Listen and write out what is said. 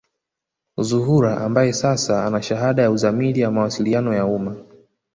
Zuhura ambaye sasa ana shahada ya uzamili ya mawasiliano ya umma